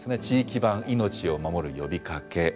「地域版命を守る呼びかけ」。